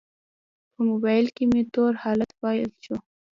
په موبایل کې مې تور حالت فعال شو.